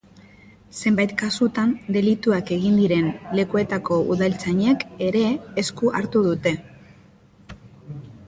Zenbait kasutan, delituak egin diren lekuetako udaltzainek ere esku hartu dute.